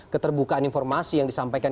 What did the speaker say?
keterbukaan informasi yang disampaikan